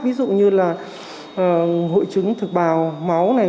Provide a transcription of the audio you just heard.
ví dụ như là hội chứng thực bào máu này